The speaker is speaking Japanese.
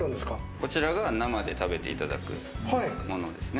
こちらが生で食べていただくものですね。